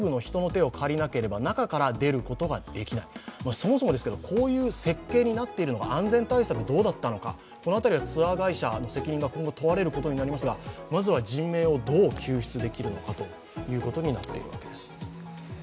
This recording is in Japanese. そもそもこういう設計になっているのが安全対策どうだったのか、この辺りは、ツアー会社の責任が今後問われることになりますが、まずは人命をどう救出できるのかということになっているわけです。